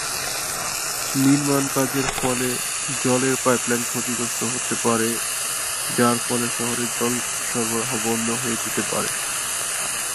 নির্মাণ কাজের ফলে জলের পাইপলাইন ক্ষতিগ্রস্ত হতে পারে, যার ফলে শহরের জল সরবরাহ বন্ধ হয়ে যেতে পারে।